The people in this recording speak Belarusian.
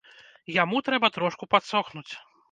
Яму трэба трошку падсохнуць.